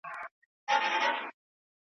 د بېلتون سندري وایم د جانان کیسه کومه .